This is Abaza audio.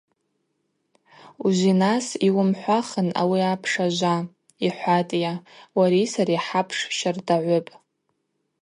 Ужвинас йуымхӏвахын ауи апш ажва,— йхӏватӏйа,— уари сари хӏапш щардагӏвыпӏ.